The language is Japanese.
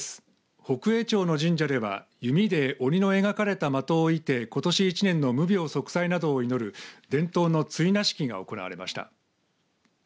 北栄町の神社では弓で鬼の描かれた的を射てことし１年の無病息災などを祈る伝統の追儺式が行われました。